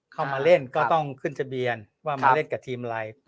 เข้ามาเล่นก็ต้องขึ้นทะเบียนว่ามาเล่นกับทีมอะไร